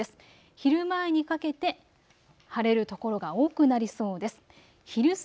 昼前にかけて晴れる所が多くなりそうです。